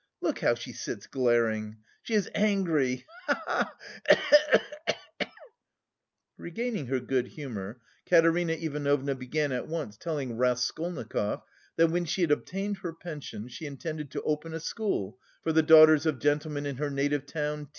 Look how she sits glaring! She is angry, ha ha! (Cough cough cough.)" Regaining her good humour, Katerina Ivanovna began at once telling Raskolnikov that when she had obtained her pension, she intended to open a school for the daughters of gentlemen in her native town T